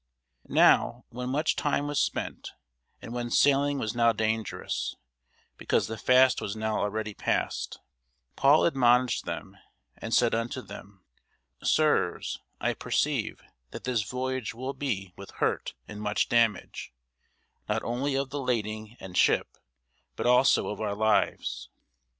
Now when much time was spent, and when sailing was now dangerous, because the fast was now already past, Paul admonished them, and said unto them, Sirs, I perceive that this voyage will be with hurt and much damage, not only of the lading and ship, but also of our lives.